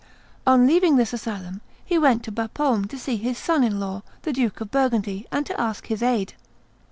On leaving this asylum he went to Bapaume to see his son in law, the Duke of Burgundy, and to ask his aid.